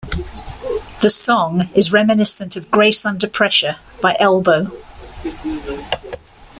The song is reminiscent of "Grace Under Pressure" by Elbow.